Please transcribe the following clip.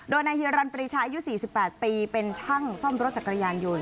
โดยนายฮิรันต์ปริชาอายุสี่สิบแปดปีเป็นช่างซ่อมรถจากกระยานยนต์